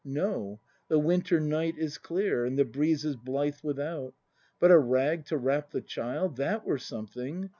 No! The winter night is clear. And the breezes blithe without. But a rag to wrap the child ! That were something!